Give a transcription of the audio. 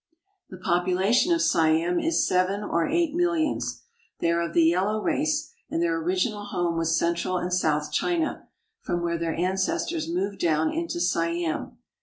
The population of Siam is seven or eight millions. They are of the yellow race, and their original home was central and south China, from where their ancestors moved down into Siam.